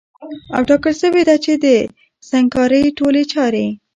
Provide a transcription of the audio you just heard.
او ټاکل سوې ده چي د سنګکارۍ ټولي چاري